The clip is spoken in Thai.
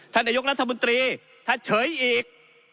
ท่านนายกรัฐมนตรีถ้าเฉยอีก